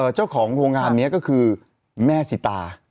เจ้าของโรงงานนี้ก็คือแม่สิตา